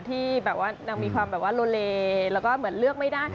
ที่แบบว่านางมีความแบบว่าโลเลแล้วก็เหมือนเลือกไม่ได้